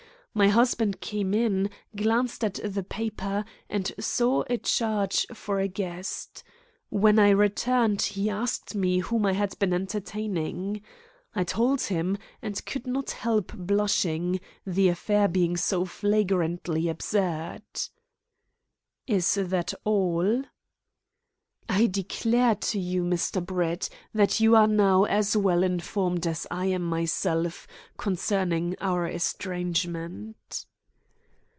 My husband came in, glanced at the paper, and saw a charge for a guest. When I returned he asked me whom I had been entertaining. I told him, and could not help blushing, the affair being so flagrantly absurd." "Is that all?" "I declare to you, Mr. Brett, that you are now as well informed as I am myself concerning our estrangement."